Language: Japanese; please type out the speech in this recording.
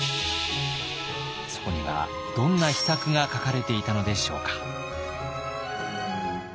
そこにはどんな秘策が書かれていたのでしょうか。